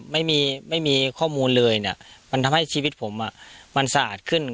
ไม่มีข้อมูลเลยมันทำให้ชีวิตผมมันสะอาดขึ้น